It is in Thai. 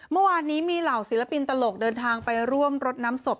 เมื่อวานนี้มีเหล่าศิลปินตลกเดินทางไปร่วมรดน้ำศพ